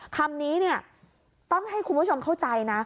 คำนี้เนี่ยต้องให้คุณผู้ชมเข้าใจนะ